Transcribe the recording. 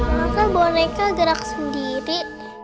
maka boneka gerak sendiri